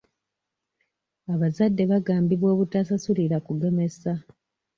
Abazadde bagambibwa obutasasulira kugemesa.